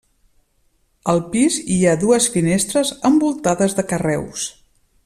Al pis hi ha dues finestres envoltades de carreus.